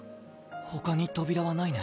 ほかに扉はないね。